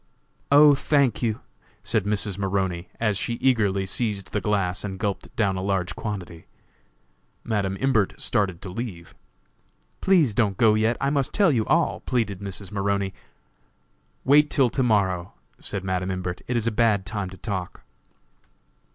"Oh, thank you," said Mrs. Maroney, as she eagerly seized the glass and gulped down a large quantity. Madam Imbert started to leave. "Please don't go yet; I must tell you all," pleaded Mrs. Maroney. "Wait till to morrow," said Madam Imbert, "it is a bad time to talk."